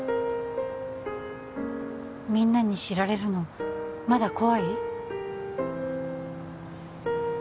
みんなに知られるのまだ怖い？